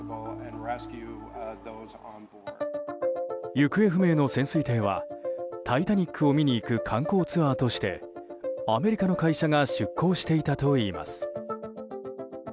行方不明の潜水艇は「タイタニック」を見に行く観光ツアーとしてアメリカの会社が出航していたといいます。